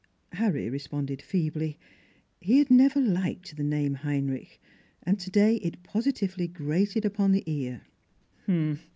" Harry responded feebly. He had never liked the name Heinrich, and today it positively grated upon the ear.